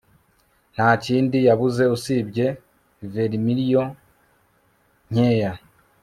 Nta kindi yabuze usibye vermilion nkeya